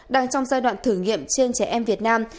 đang trong giai đoạn thử nghiệm trên trẻ em việt nam